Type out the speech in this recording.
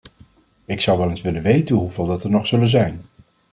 Ik zou wel eens willen weten hoeveel dat er nog zullen zijn.